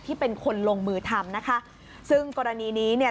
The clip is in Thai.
ที่เป็นคนลงมือทำนะคะซึ่งกรณีนี้เนี่ย